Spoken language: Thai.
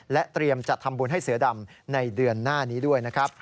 เตรียมจะทำบุญให้เสือดำในเดือนหน้านี้ด้วยนะครับ